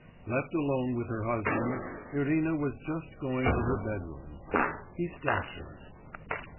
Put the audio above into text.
Left alone with her husband, Irina was just going to her bedroom.... He stopped her.